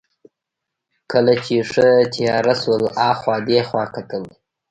کله چې ښه تېاره شول، اخوا دېخوا کتل.